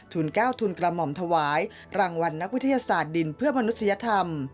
๙ทุนกระหม่อมถวายรางวัลนักวิทยาศาสตร์ดินเพื่อมนุษยธรรม